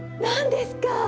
何ですか！